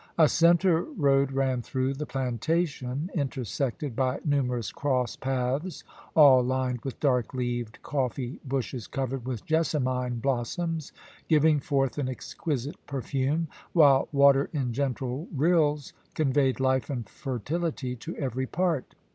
A centre road ran through the plantation, intersected by numerous cross paths, all lined with dark leaved coffee bushes covered with jessamine blossoms, giving forth an exquisite perfume, while water in gentle rills conveyed life and fertility to every part.